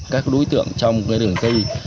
các đối tượng trong đường dây